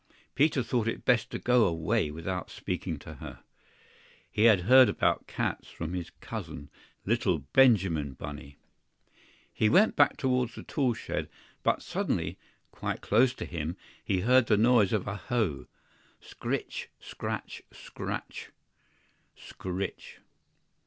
Peter thought it best to go away without speaking to her; he had heard about cats from his cousin, little Benjamin Bunny. HE went back towards the tool shed, but suddenly, quite close to him, he heard the noise of a hoe scr r ritch, scratch, scratch, scritch.